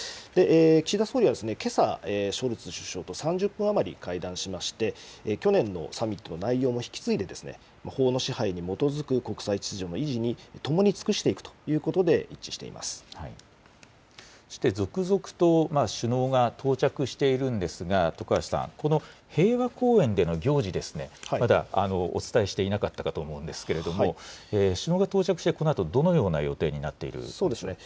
岸田総理はけさ、ショルツ首相と３０分余り会談しまして、去年のサミットの内容も引き継いで、法の支配に基づく国際秩序の維持に共に尽くしていくということでそして続々と、首脳が到着しているんですが、徳橋さん、この平和公園での行事ですね、まだお伝えしていなかったと思うんですけれども、首脳が到着してこのあとどのような予定になっているでしょうか。